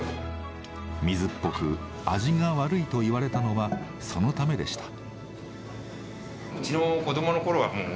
水っぽく味が悪いと言われたのはそのためでした。